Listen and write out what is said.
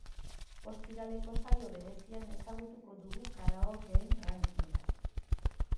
Ostiraleko saio berezian ezagutuko dugu karaokeen rankinga.